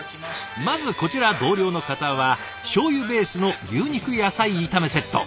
まずこちら同僚の方はしょうゆベースの牛肉野菜炒めセット。